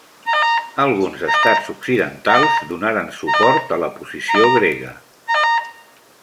Alguns estats occidentals donaren suport a la posició grega.